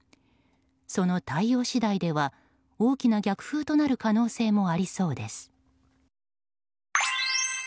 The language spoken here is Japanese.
その対応次第では大きな逆風となる可能性もありそうです。